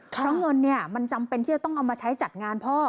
เพราะเงินมันจำเป็นที่จะต้องเอามาใช้จัดงานพ่อ